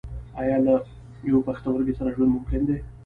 ایا له یوه پښتورګي سره ژوند ممکن دی